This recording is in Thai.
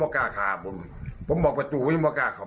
มันถึงประตูขับมัน